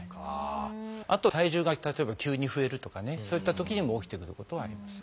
あと体重が例えば急に増えるとかねそういったときにも起きてくることはあります。